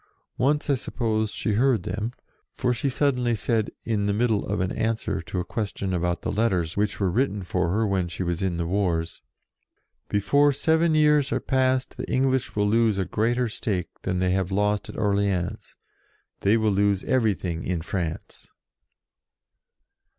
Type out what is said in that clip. Once, I suppose, she heard them, for she suddenly said, in the middle of an answer to a ques io6 JOAN OF ARC tion about the letters which were written for her when she was in the wars :" Before seven years are passed the Eng lish will lose a greater stake than they have lost at Orleans; they will lose everything in France."